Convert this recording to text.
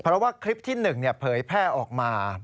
เพราะว่าคลิปที่๑เผยแพร่ออกมา